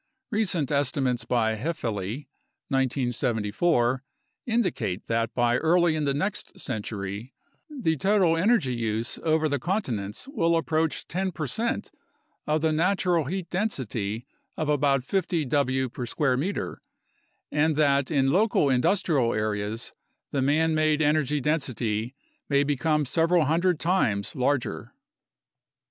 Recent estimates by Haefele (1974) indicate that by early in the next century, the total energy use over the continents will approach 1 percent of the natural heat density of about 50 W/m 2 and that in local industrial areas the man made energy density may become several hundred times larger.